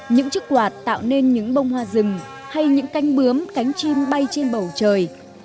những chiếc quạt tạo nên những bông hoa rừng hay những cánh bướm cánh chim bay trên bầu trời